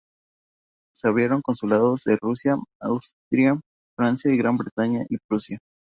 Se abrieron consulados de Rusia, Austria, Francia, Gran Bretaña y Prusia.